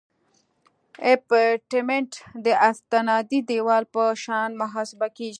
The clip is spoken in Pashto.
ابټمنټ د استنادي دیوال په شان محاسبه کیږي